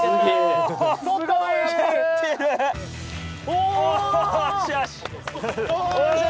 お！